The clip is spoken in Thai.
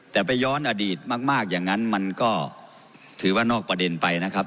แต่ไปย้อนอดีตมากอย่างนั้นมันก็ถือว่านอกประเด็นไปนะครับ